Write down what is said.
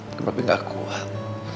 tapi papi gak kuat